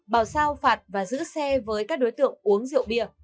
bảo sao phạt và giữ xe với các đối tượng uống rượu bia